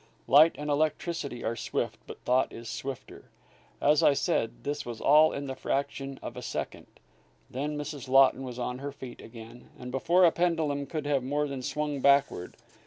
Light and electricity are swift, but thought is swifter. As I said, this was all in the fraction of a second. Then Mrs. Laughton was on her feet again and before a pendulum could have more than swung backward.